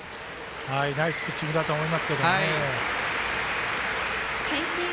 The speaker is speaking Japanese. ナイスピッチングだと思いますけどね。